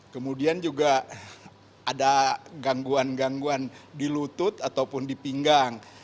kemudian juga ada gangguan gangguan di lutut ataupun di pinggang